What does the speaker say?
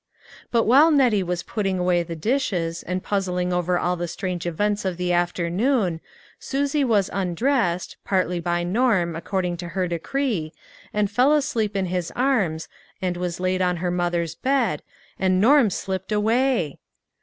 But while Nettie was putting away the dishes and puzzling over all the strange events of the afternoon, Susie was undressed, partly by Norm, according to her decree, and fell asleep in his arms and was laid on her mother's bed, and Norm slipped away!